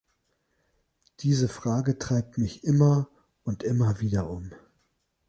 Diese Frage treibt mich immer und immer wieder um.